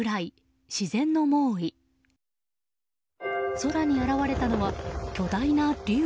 空に現れたのは巨大な竜？